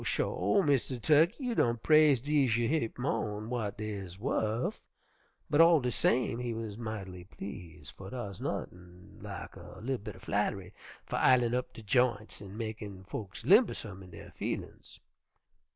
sho! Mistah Tukkey, you done praise dese yer heap mo'n w'at dey is wuf,' but all de same he wuz might'ly please', fer dar's nuttin' lak a li'l bit er flatt'ry fer ilin' up de j'ints an' mekin' folks limbersome in der feelin's.